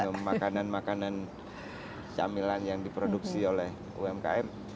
untuk makanan makanan camilan yang diproduksi oleh umkm